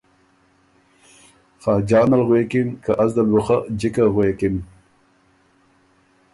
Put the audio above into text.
خاجان ال غوېکِن که از دل بُو خه جِکه غوېکِن